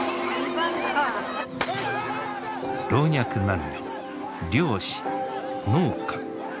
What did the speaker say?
老若男女漁師農家勤め人。